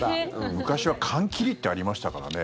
昔は缶切りってありましたからね。